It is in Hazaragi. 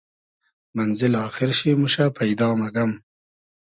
مئنزیل آخیر شی موشۂ پݷدا مئگئم